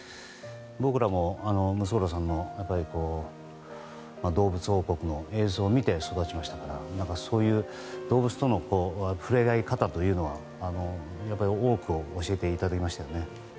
僕らもムツゴロウさんの動物王国の映像を見て育ちましたから、そういう動物との触れ合い方というのはやっぱり、多くを教えていただいましたよね。